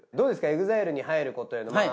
ＥＸＩＬＥに入ることへのまあ